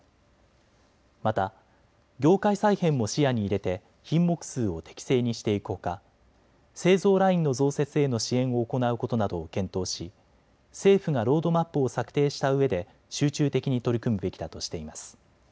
また業界再編も視野に入れて品目数を適正にしていくほか製造ラインの増設への支援を行うことなどを検討し政府がロードマップを策定したうえで集中的に取り組むべきだとしています。